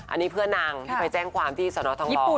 อันนี้เพื่อนนางที่ไปแจ้งความที่สนทอง